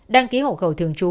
đăng ký hộ khẩu thường trú